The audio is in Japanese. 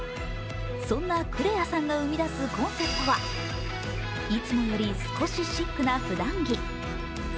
そんなクレアさんが生み出すコンセプトはいつもより少しシックな普段着。